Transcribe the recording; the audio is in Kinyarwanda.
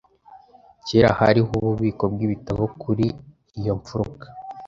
Kera hariho ububiko bwibitabo kuri iyo mfuruka.